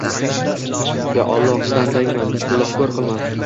Yo, Alloh, bandangman, dilafgor qilma